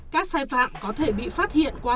các sai phạm có thể bị phát hiện qua